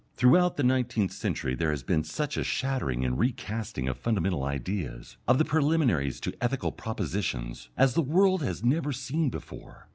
Throughout the nineteenth century there has been such a shattering and recasting of fundamental ideas, of the preliminaries to ethical propositions, as the world has never seen before.